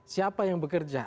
siapa yang bekerja